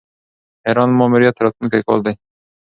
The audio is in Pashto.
هیرا ماموریت راتلونکی کال دی.